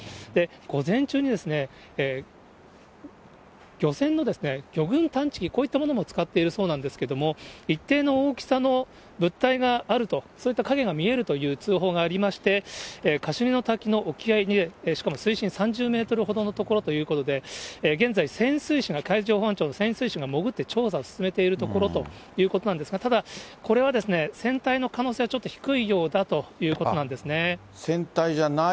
午前中に漁船の魚群探知機、こういったものも使っているそうなんですけれども、一定の大きさの物体があると、そういった影が見えるという通報がありまして、カシュニの滝の沖合に、しかも水深３０メートルほどの所ということで、現在、潜水士が、海上保安庁の潜水士が潜って調査を進めているということなんですが、ただ、これは船体の可能性はちょっと低いようだということなんですね。